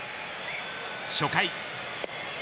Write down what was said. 初回。